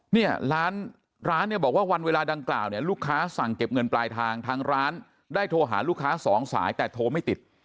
เนี่ยร้านร้านเนี่ยบอกว่าวันเวลาดังกล่าวเนี่ยลูกค้าสั่งเก็บเงินปลายทางทางร้านได้โทรหาลูกค้าสองสายแต่โทรไม่ติด